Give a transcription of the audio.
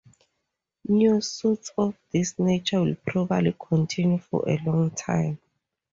New suits of this nature will probably continue for a long time.